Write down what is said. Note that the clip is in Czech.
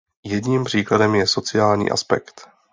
Jedním příkladem je sociální aspekt.